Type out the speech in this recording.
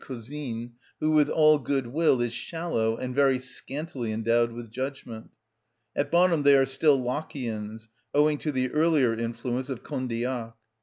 Cousin, who, with all good will, is shallow and very scantily endowed with judgment. At bottom they are still Lockeians, owing to the earlier influence of Condillac.